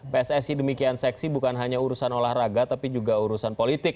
pssi demikian seksi bukan hanya urusan olahraga tapi juga urusan politik